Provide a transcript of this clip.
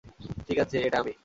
ঠিক আছে, এটা আমি।